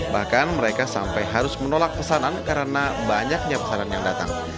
bahkan mereka sampai harus menolak pesanan karena banyaknya pesanan yang datang